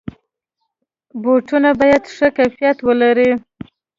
بوټونه باید ښه کیفیت ولري.